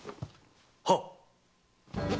はっ。